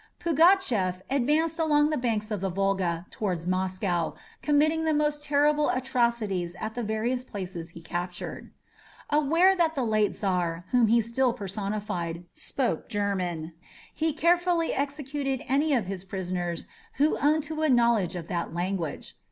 Pugatchef advanced along the banks of the Volga towards Moscow, committing the most terrible atrocities at the various places he captured. Aware that the late Czar, whom he still personified, spoke German, he carefully executed any of his prisoners who owned to a knowledge of that language.